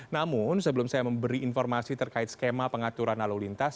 namun sebelum saya memberi informasi terkait skema pengaturan lalu lintas